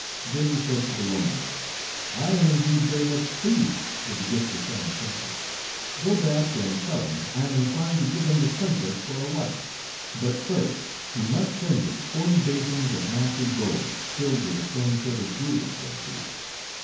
Then he said to the woman, "I am indeed very much pleased with the gift your son has sent me. Go back and tell him I am inclined to give him the Princess for a wife, but first he must send me forty basins of massy gold filled with the same sort of jewels as these.